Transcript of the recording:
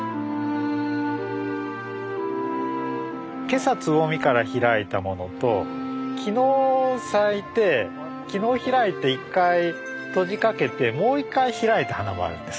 今朝つぼみから開いたものと昨日咲いて昨日開いて１回閉じかけてもう１回開いた花もあるんです。